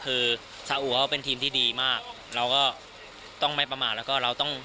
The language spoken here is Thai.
คือซาอุเขาเป็นทีมที่ดีมากเราก็ต้องไม่ประมาทแล้วก็เราต้อง